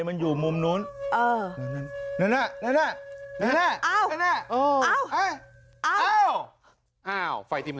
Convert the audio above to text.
มันนึกอะไร